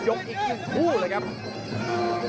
ส่วนหน้านั้นอยู่ที่เลด้านะครับ